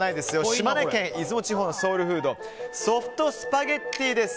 島根県出雲地方のソウルフードソフトスパゲッティです。